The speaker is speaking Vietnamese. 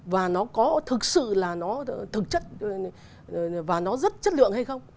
và nó có thực sự là nó thực chất và nó rất chất lượng hay không